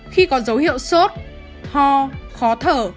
khi có dấu hiệu sốt ho khó thở